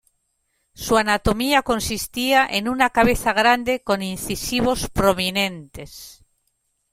Su anatomía consistía en una cabeza grande con incisivos prominentes.